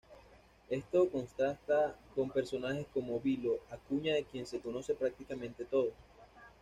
Esto contrasta con personajes como "Vilo" Acuña de quien se conoce prácticamente todo.